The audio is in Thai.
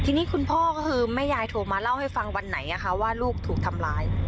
ทีนี้คุณพ่อก็คือแม่ยายโทรมาเล่าให้ฟังวันไหนว่าลูกถูกทำร้าย